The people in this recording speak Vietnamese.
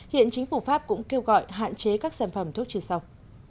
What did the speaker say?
hiện chính phủ pháp cũng kêu gọi hạn chế các sản phẩm thuốc chứa sọc